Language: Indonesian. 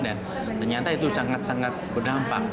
dan ternyata itu sangat sangat berdampak